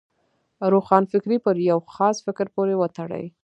روښانفکري پر یو خاص فکر پورې وتړي.